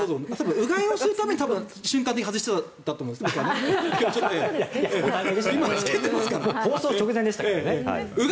うがいをするために瞬間的に外していたと思うんですが。